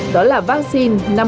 đó là vaccine